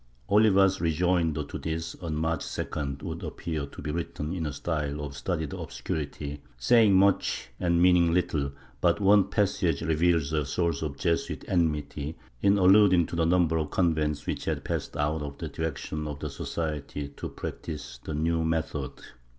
Oliva's rejoinder to this, on March 2d, would appear to be written in a style of studied obscurity, saying much and meaning little, but one passage reveals a source of Jesuit enmity, in alluding to the number of convents which had passed out of the direction of the Society to practise the new method.